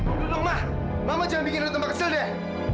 udah dong ma mama jangan bikin lo tembak kesel deh